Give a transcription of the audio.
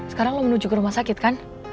sekarang lo menuju ke rumah sakit kan